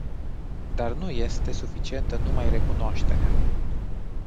Dar nu este suficientă numai recunoașterea.